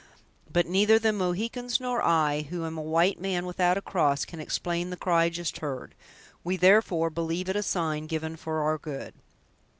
But neither the Mohicans, nor I, who am a white man without a cross, can explain the cry just heard. We, therefore, believe it a sign given for our good."